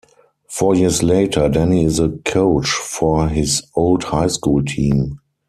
Four years later, Danny is a coach for his old high school team.